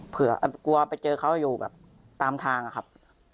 กลัวไปเจอเขาอยู่แบบตามทางอะครับ